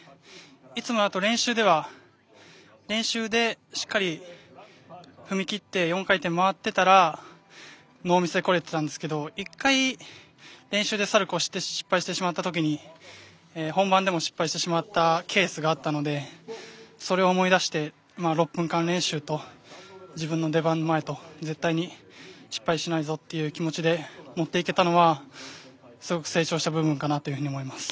いつもだと練習でしっかり踏み切って４回転、回ってたらノーミスでこれてたんですけど１回、練習でサルコーを失敗してしまった時に本番でも失敗してしまったケースがあったのでそれを思い出して６分間練習と自分の出番前と絶対に失敗しないぞという気持ちで持っていけたのはすごく成長した部分かなと思います。